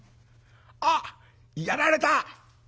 あっやられた！」。